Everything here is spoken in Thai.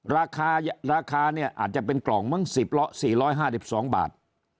ราคาราคาเนี่ยอาจจะเป็นกล่องมั้ง๔๕๒บาท